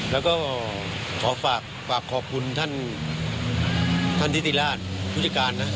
แล้วก็ขอฝากขอบคุณท่านทิติราชผู้จัดการนะ